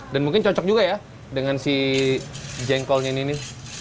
dan mungkin cocok juga ya dengan si jengkol ini